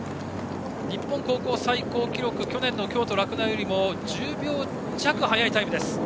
日本高校最高記録去年の京都・洛南よりも１０秒弱速いタイムです。